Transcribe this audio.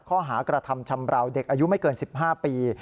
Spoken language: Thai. ข้อหากระทำชำราวเด็กอายุไม่เกิน๑๕ปี